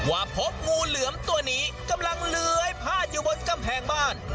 ว่าพบงูเหลือมตัวนี้กำลังเลื้อยพาดอยู่บนกำแพงบ้าน